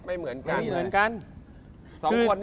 ไม่เหมือนกัน